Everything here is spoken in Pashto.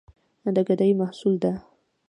د ګدايي محصول ده.